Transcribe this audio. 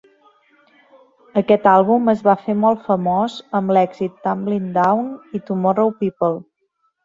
Aquest àlbum es va fer molt famós amb l'èxit "Tumblin' Down" i "Tomorrow People".